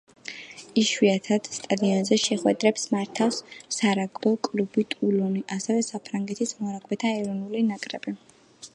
იშვიათად, სტადიონზე შეხვედრებს მართავს სარაგბო კლუბი „ტულონი“, ასევე საფრანგეთის მორაგბეთა ეროვნული ნაკრები.